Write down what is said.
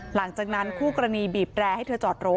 หลังจากนั้นคู่กรณีบีบแร่ให้เธอจอดรถ